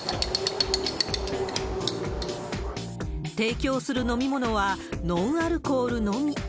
提供する飲み物はノンアルコールのみ。